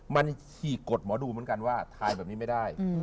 มันฉีกกฎหมอดูเหมือนกันว่าถ่ายแบบนี้ไม่ได้